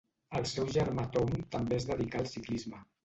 El seu germà Tom també es dedicà al ciclisme.